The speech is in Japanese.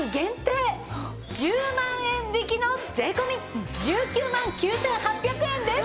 １０万円引きの税込１９万９８００円です。